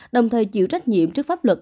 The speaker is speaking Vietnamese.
đồng thời chịu trách nhiệm trước pháp luật